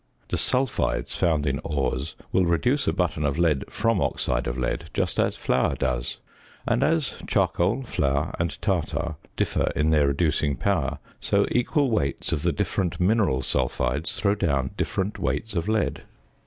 _ The sulphides found in ores will reduce a button of lead from oxide of lead just as flour does; and, as charcoal, flour and tartar differ in their reducing power, so equal weights of the different mineral sulphides throw down different weights of lead.